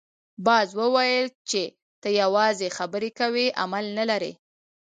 باز وویل چې ته یوازې خبرې کوې عمل نه لرې.